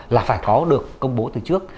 là phải có được công bố từ trước